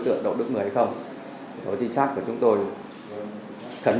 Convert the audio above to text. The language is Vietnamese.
tượng đậu đức mời hay không tổ chính sát của chúng tôi khẩn